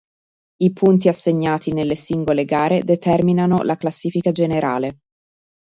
I punti assegnati nelle singole gare determinano la classifica generale.